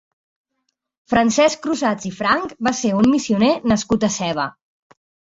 Francesc Crusats i Franch va ser un missioner nascut a Seva.